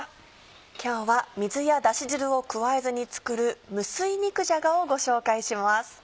今日は水やだし汁を加えずに作る「無水肉じゃが」をご紹介します。